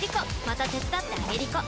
また手伝ってあげりこ！